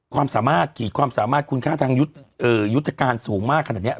ความสามารถคุณค่าทางยุตกาลสูงมากขนาดนี้